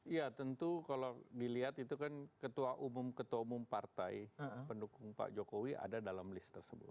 ya tentu kalau dilihat itu kan ketua umum ketua umum partai pendukung pak jokowi ada dalam list tersebut